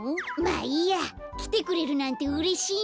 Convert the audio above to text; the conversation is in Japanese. まあいいやきてくれるなんてうれしいな。